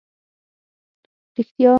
رېښتیا؟!